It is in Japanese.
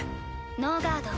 ノーガード。